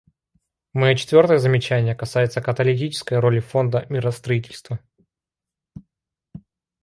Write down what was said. Мое четвертое замечание касается каталитической роли Фонда миростроительства.